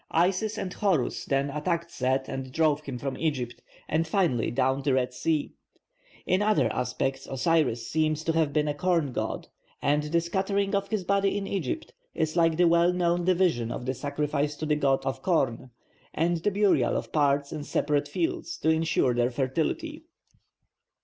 Isis and Horus then attacked Set and drove him from Egypt, and finally down the Red Sea. In other aspects Osiris seems to have been a corn god, and the scattering of his body in Egypt is like the well known division of the sacrifice to the corn god, and the burial of parts in separate fields to ensure their fertility.